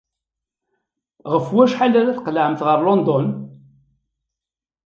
Ɣef wacḥal ara tqelɛemt ɣer London?